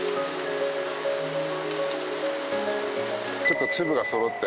ちょっと粒がそろってない。